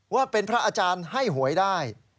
ว่าเป็นพระอาจารย์ให้หวยได้